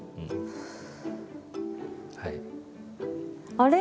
あれ？